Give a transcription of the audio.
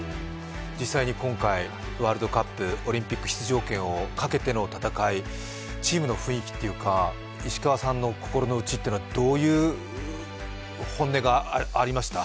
実際に今回、ワールドカップ、オリンピック出場権をかけての戦い、チームの雰囲気というか、石川さんの心の内というのはどういう本音がありました？